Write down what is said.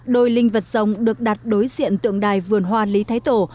đôi linh vật rồng được đặt đối diện tượng đài vườn hoa lý thái tổ